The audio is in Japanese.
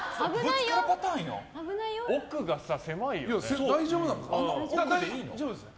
奥が狭いよね。